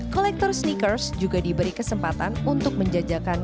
kolektor sneakers juga diberi kesempatan untuk menjajakan